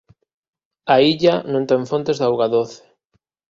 A illa non ten fontes de auga doce.